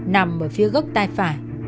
nằm ở phía gốc tay phải